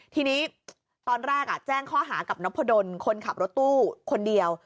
ทีนี้ตอนแรกแจ้งข้อหากับนพดลคนขับรถตู้คนเดียว